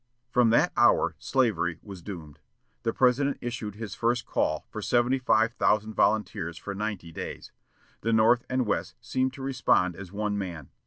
From that hour slavery was doomed. The President issued his first call for seventy five thousand volunteers for ninety days. The North and West seemed to respond as one man.